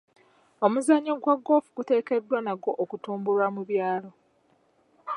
Omuzannyo gwa ggoofu guteekeddwa nagwo okutumbulwa mu byalo.